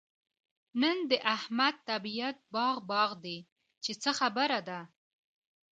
نن د احمد طبيعت باغ باغ دی؛ چې څه خبره ده؟